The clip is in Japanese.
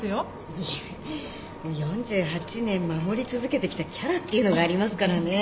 ４８年守り続けてきたキャラっていうのがありますからね。